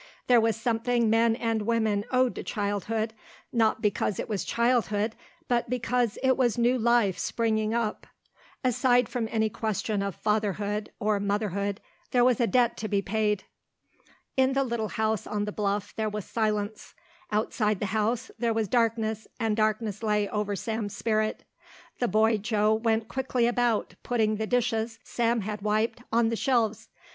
There was something men and women owed to childhood, not because it was childhood but because it was new life springing up. Aside from any question of fatherhood or motherhood there was a debt to be paid. In the little house on the bluff there was silence. Outside the house there was darkness and darkness lay over Sam's spirit. The boy Joe went quickly about, putting the dishes Sam had wiped on the shelves.